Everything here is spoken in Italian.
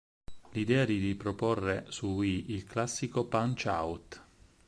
L'idea di riproporre su Wii il classico "Punch-Out!!